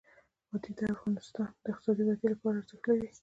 وادي د افغانستان د اقتصادي ودې لپاره ارزښت لري.